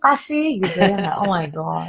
kasih gitu ya oh my god